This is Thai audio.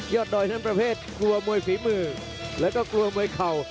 ดอยทั้งประเภทกลัวมวยฝีมือแล้วก็กลัวมวยเข่า